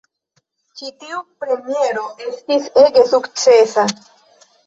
Ĉi tiu premiero estis ege sukcesa.